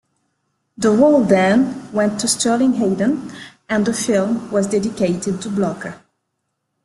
The role then went to Sterling Hayden, and the film was dedicated to Blocker.